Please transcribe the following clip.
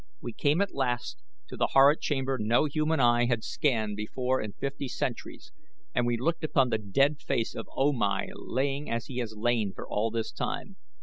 We came at last to that horrid chamber no human eye had scanned before in fifty centuries and we looked upon the dead face of O Mai lying as he has lain for all this time.